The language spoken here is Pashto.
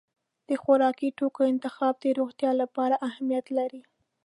د خوراکي توکو انتخاب د روغتیا لپاره اهمیت لري.